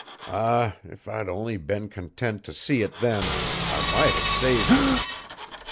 Ah! if I'd only been content t' see it then, I might have saved her.